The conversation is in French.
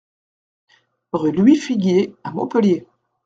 Rue Louis Figuier à Montpellier